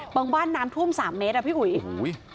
บางบ้านน้ำท่วม๓เมตรอ่ะพี่อุ๋ย